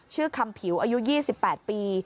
ชื่อคำผิวอายุ๒๘ปี